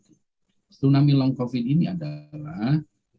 tsunami long covid ini adalah